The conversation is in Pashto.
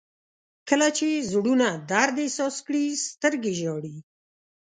• کله چې زړونه درد احساس کړي، سترګې ژاړي.